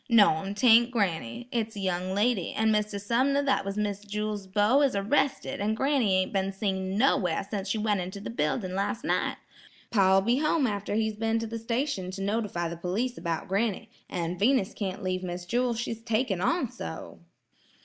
"No'm; 'taint granny; it's a young lady; and Mr. Sumner that was Miss Jewel's beau is arrested, an' granny ain't been seen nowhere since she went into the building last night. Pa'll be home after he's been to the station to notify the police about granny, an' Venus can't leave Miss Jewel; she's taking on so."